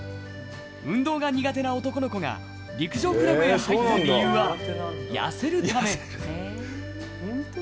運動が苦手な男の子が陸上クラブへ入った理由は痩せるため。